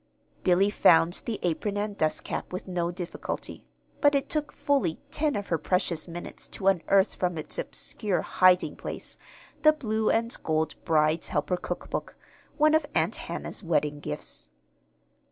Billy found the apron and dust cap with no difficulty; but it took fully ten of her precious minutes to unearth from its obscure hiding place the blue and gold "Bride's Helper" cookbook, one of Aunt Hannah's wedding gifts.